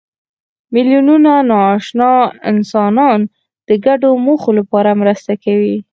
میلیونونه ناآشنا انسانان د ګډو موخو لپاره مرسته کوي.